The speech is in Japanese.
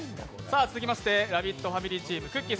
続きましてラヴィットファミリーチーム、くっきー！